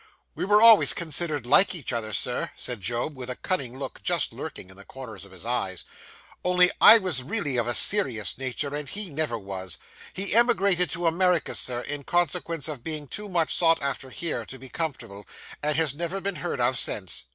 'We were always considered like each other, Sir,' said Job, with a cunning look just lurking in the corners of his eyes, 'only I was really of a serious nature, and he never was. He emigrated to America, Sir, in consequence of being too much sought after here, to be comfortable; and has never been heard of since.